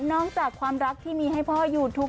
จากความรักที่มีให้พ่ออยู่ทุก